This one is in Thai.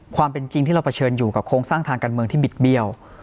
ความเป็นจริงที่เราเผชิญอยู่กับโครงสร้างทางการเมืองที่บิดเบี้ยว